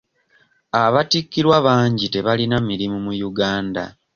Abattikirwa bangi tebalina mirimu mu Uganda.